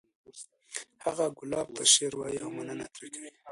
هغه ګلاب ته شعر وایی او مننه ترې کوي